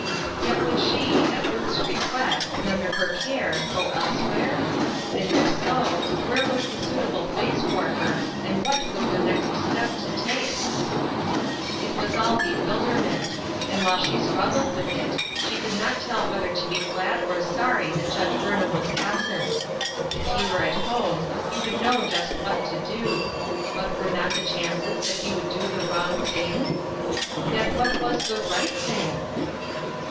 Yet would she, at Ruth's request, and under her care, go elsewhere ? And if so, where was the suitable place for her, and what was the next step to take ? It was all bewilderment; and while she strug gled with it, she could not tell whether to be glad or sorry that Judge Burnham was absent. If he were at home, he would know just what to do ; but were not the chances that he would do the wrong thing ? Yet what was the right thing